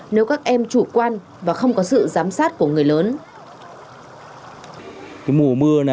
nếu các em chủ quan và không có sự giám sát của người lớn